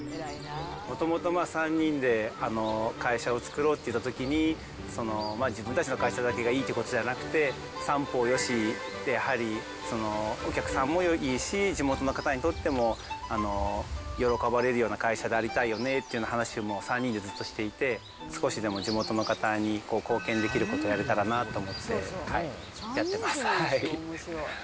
もともと３人で会社を作ろうっていったときに、自分たちの会社だけがいいってことじゃなくて、三方よし、やはりお客さんもいいし、地元の方にとっても喜ばれるような会社でありたいよねっていう話も３人でずっとしていて、少しでも地元の方に貢献できることやれたらなと思って、やってます。